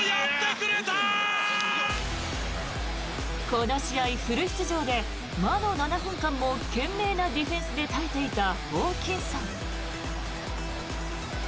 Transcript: この試合、フル出場で魔の７分間も懸命なディフェンスで耐えていたホーキンソン。